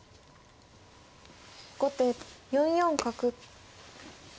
後手４四角。